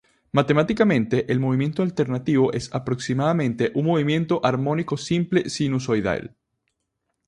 Matemáticamente, el movimiento alternativo es aproximadamente un movimiento armónico simple sinusoidal.